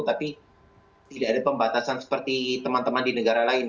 tapi tidak ada pembatasan seperti teman teman di negara lain